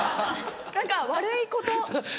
何か悪いこと。